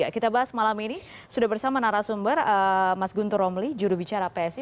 kita bahas malam ini sudah bersama narasumber mas guntur romli jurubicara psi